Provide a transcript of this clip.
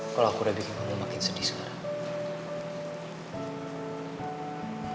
kalau aku udah bikin kamu makin sedih sekarang